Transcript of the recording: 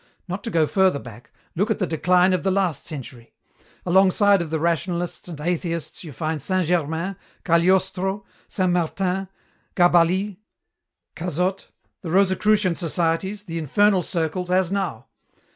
Not to go further back, look at the decline of the last century. Alongside of the rationalists and atheists you find Saint Germain, Cagliostro, Saint Martin, Gabalis, Cazotte, the Rosicrucian societies, the infernal circles, as now.